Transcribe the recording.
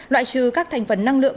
loại trừ các thành phần năng lượng